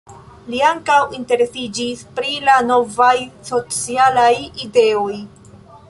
Li ankaŭ interesiĝis pri la novaj socialaj ideoj.